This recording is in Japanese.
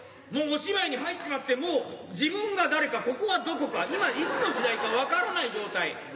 もうお芝居に入っちまってもう自分が誰かここはどこか今いつの時代か分からない状態。